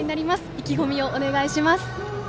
意気込みをお願いします。